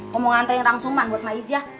kau mau nganterin rangsuman buat nja ija